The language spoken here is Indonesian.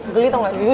geli tau gak